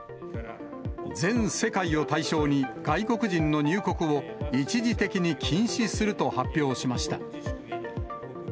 全世界を対象に、外国人の入国を一時的に禁止すると発表しました。